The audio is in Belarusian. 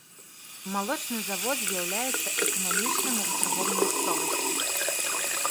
Малочны завод з'яўляецца эканамічным рычагом мясцовасці.